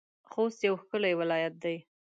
خوست يو ښکلی ولايت دی.